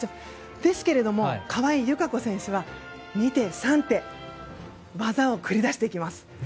ですけれども、川井友香子選手は２手、３手技を繰り出してきます。